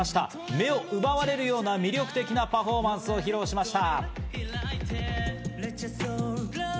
目を奪われるような魅力的なパフォーマンスを披露しました。